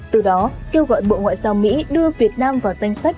từ đó kêu gọi bộ ngoại giao mỹ đưa việt nam vào danh sách